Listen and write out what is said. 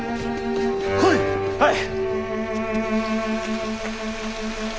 はい！